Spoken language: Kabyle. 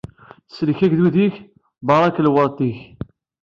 Sellek agdud-ik, barek lweṛt-ik!